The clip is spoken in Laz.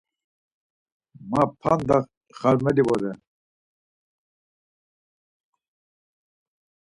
Ma p̌anda xarmeli vore.